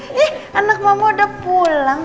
hei anak mama udah pulang